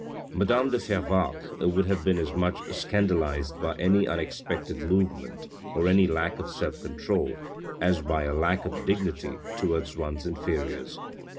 Madame de Fervaques would have been as much scandalised by any unexpected movement or any lack of self control, as by a lack of dignity towards one's inferiors.